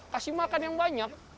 kasih makan yang banyak